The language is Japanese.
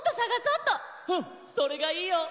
うんそれがいいよ！